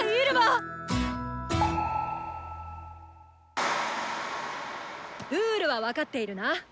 ルールは分かっているな？